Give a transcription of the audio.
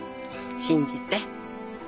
信じて。